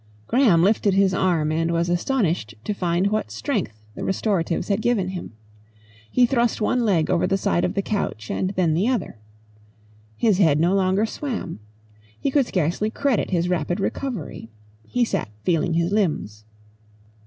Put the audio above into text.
Graham lifted his arm and was astonished to find what strength the restoratives had given him. He thrust one leg over the side of the couch and then the other. His head no longer swam. He could scarcely credit his rapid recovery. He sat feeling his limbs.